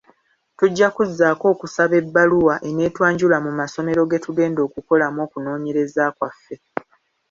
Tujja kuzzaako okusaba ebbaluwa eneetwanjula mu masomero ge tugenda okukolamu okunoonyereza kwaffe.